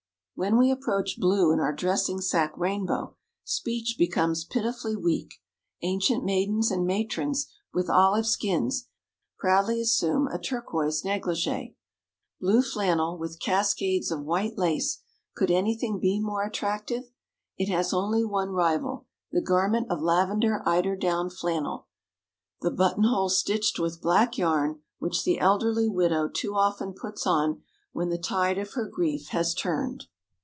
When we approach blue in our dressing sack rainbow, speech becomes pitifully weak. Ancient maidens and matrons, with olive skins, proudly assume a turquoise négligée. Blue flannel, with cascades of white lace could anything be more attractive? It has only one rival the garment of lavender eiderdown flannel, the button holes stitched with black yarn, which the elderly widow too often puts on when the tide of her grief has turned.